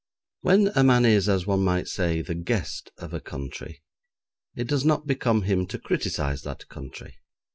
When a man is, as one might say, the guest of a country, it does not become him to criticise that country.